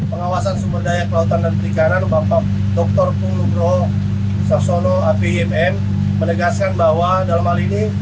pengawasan sumber daya kelautan dan perikanan bapak dr pulugro sasono apymm menegaskan bahwa dalam hal ini